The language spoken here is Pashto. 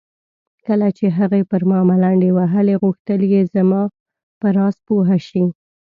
کله چې هغې پر ما ملنډې وهلې غوښتل یې زما په راز پوه شي.